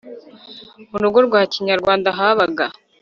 Mu rugo rwa Kinyarwanda habaga